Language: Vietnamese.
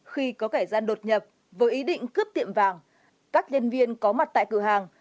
khi có kẻ gian đột nhập với ý định cướp tiệm vàng các nhân viên có mặt tại cửa hàng